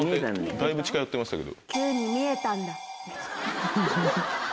だいぶ近寄ってましたけど。